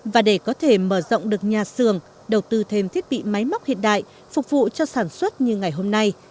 và để có thể mở rộng được nhà xưởng đầu tư thêm thiết bị máy móc hiện đại phục vụ cho sản xuất như ngày hôm nay